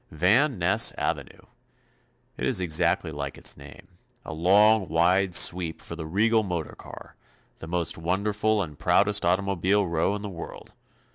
Van Ness avenue. It is exactly like its name. A long wide sweep for the regal motor car, the most wonderful and proudest automobile row in the world.